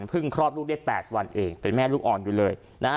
เพิ่งครอดลูกได้๘วันเองเป็นแม่ลูกอ่อนอยู่เลย